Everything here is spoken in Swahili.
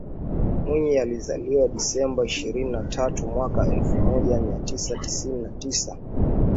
Mwinyi alizaliwa Dasemba ishirini na tatu mwaka elfu moja mia tisa sitini na sita